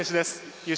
優勝